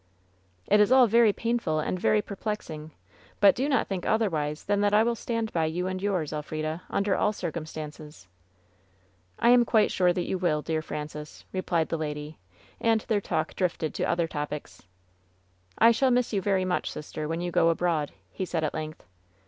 "It is all very painful and very perplexing, but do not think otherwise than that I will stand by you and yours, Elfrida, under all circumstances." "I am quite sure that you will, dear Francis," replied the lady ; and their talk drifted to other topics. "I shall miss you very much, sister, when you go abroad," he said at length.